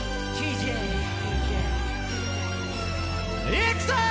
いくぞー！